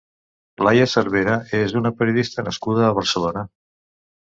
Laia Servera és una periodista nascuda a Barcelona.